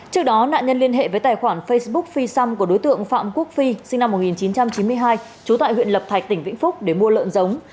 trước đó nạn nhân liên hệ với tài khoản facebook phi xăm của đối tượng phạm quốc phi sinh năm một nghìn chín trăm chín mươi hai trú tại huyện lập thạch tỉnh vĩnh phúc để mua lợn giống